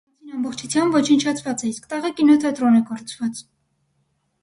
Այժմ եկեղեցին ամբողջությամբ ոչնչացված է, իսկ տեղը կինոթատրոն է կառուցված։